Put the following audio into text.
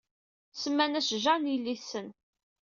Semman-as Jane i yelli-tsen.